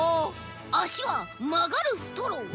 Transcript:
あしはまがるストロー。